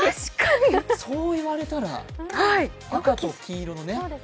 そう言われたら、赤と金色のね。